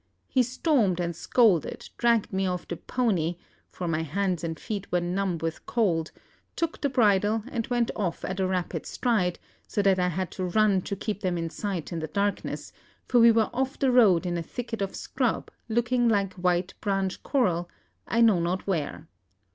He stormed and scolded, dragged me off the pony for my hands and feet were numb with cold took the bridle, and went off at a rapid stride, so that I had to run to keep them in sight in the darkness, for we were off the road in a thicket of scrub, looking like white branch coral, I knew not where.